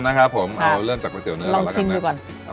ดีกันนะครับผมเอาเริ่มจากเตี๋ยวเนื้อลองชิมดีกว่า